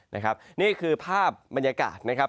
นี่คือภาพบรรยากาศ